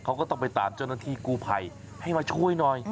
เขาก็ต้องไปตามเจ้าหน้าที่กู้ภัยให้มาช่วยหน่อย